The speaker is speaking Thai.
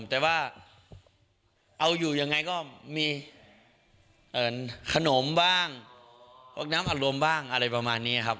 แต่ว่าเอาอยู่ยังไงก็มีขนมบ้างพวกน้ำอารมณ์บ้างอะไรประมาณนี้ครับ